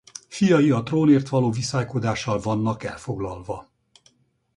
Fiai a trónért való viszálykodással vannak elfoglalva.